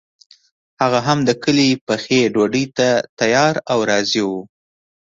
هغه هم د کلي پخې ډوډۍ ته تیار او راضي وو.